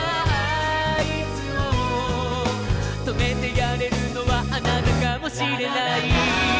「止めてやれるのはあなたかもしれない」